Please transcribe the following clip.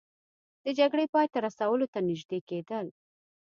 د جګړې پای ته رسولو ته نژدې کیدل